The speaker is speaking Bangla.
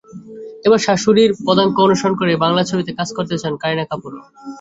এবার শাশুড়ির পদাঙ্ক অনুসরণ করে বাংলা ছবিতে কাজ করতে চান কারিনা কাপুরও।